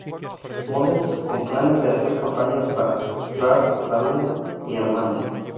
Models, con planes de hacer campañas para Ralph Lauren y Armani.